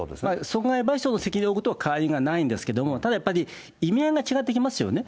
損害賠償の責任を負うことには変わりがないんですけれども、ただやっぱり、意味合いが違ってきますよね。